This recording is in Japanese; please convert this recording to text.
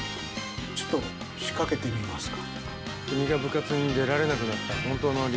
ちょっと仕掛けてみますか。